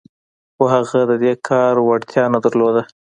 خو هغه د دې کار وړتيا نه درلوده.